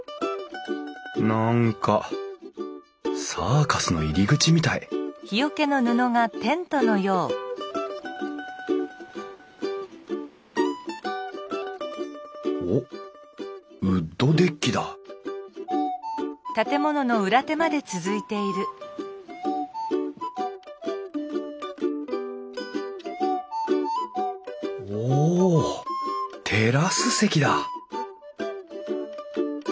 何かサーカスの入り口みたいおっウッドデッキだおテラス席だ